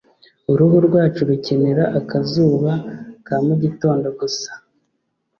Uruhu rwacu rukenera akazuba ka mugitondo gusa